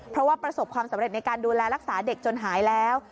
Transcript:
เพราะว่าประสบความสำเร็จในการดูแลรักษาเด็กจนหายแล้ว